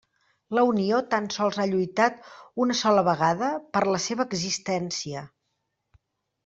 La Unió tan sols ha lluitat una sola vegada per la seva existència.